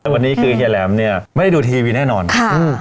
แต่วันนี้คือเฮียแหลมเนี่ยไม่ได้ดูทีวีแน่นอนค่ะอืม